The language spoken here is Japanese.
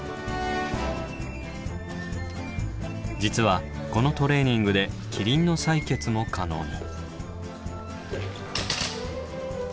実はこのトレーニングでキリンの採血も可能に。